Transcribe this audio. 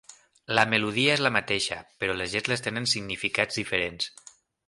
La melodia és la mateixa, però les lletres tenen significats diferents.